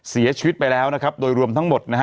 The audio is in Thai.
เสียชีวิตไปแล้วนะครับโดยรวมทั้งหมดนะฮะ